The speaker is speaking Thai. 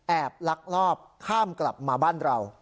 ลักลอบข้ามกลับมาบ้านเรา